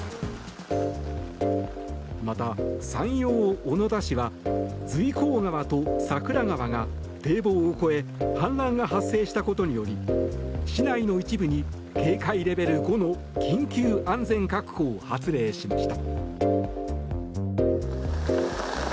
また、山陽小野田市は随光川と桜川が堤防を越え氾濫が発生したことにより市内の一部に、警戒レベル５の緊急安全確保を発令しました。